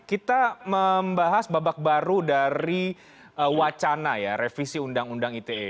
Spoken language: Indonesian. kita membahas babak baru dari wacana ya revisi undang undang ite